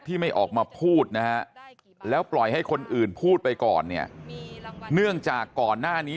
ไม่ออกมาพูดนะฮะแล้วปล่อยให้คนอื่นพูดไปก่อนเนี่ยเนื่องจากก่อนหน้านี้